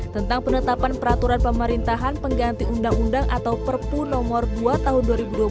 tentang penetapan peraturan pemerintahan pengganti undang undang atau perpu nomor dua tahun dua ribu dua puluh